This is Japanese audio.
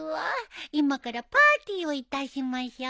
今からパーティーをいたしましょ。